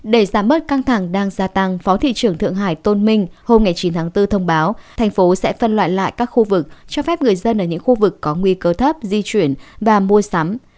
để giảm bớt căng thẳng đang gia tăng phó thị trưởng thượng hải tôn minh hôm chín tháng bốn thông báo thành phố sẽ phân loại lại các khu vực cho phép người dân ở những khu vực có nguy cơ thấp di chuyển và mua sắm